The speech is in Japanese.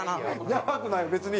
やばくないよ別に。